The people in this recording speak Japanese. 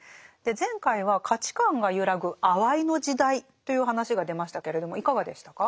前回は価値観が揺らぐ「あわいの時代」という話が出ましたけれどもいかがでしたか？